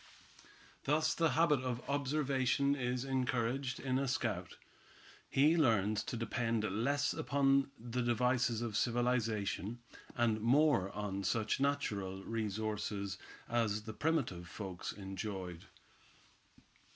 Thus the habit of observation is encouraged in a scout. He learns to depend less upon the devices of civilization, and more on such natural resources as the primitive folks enjoyed.